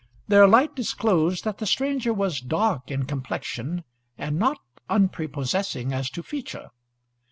Their light disclosed that the stranger was dark in complexion and not unprepossessing as to feature.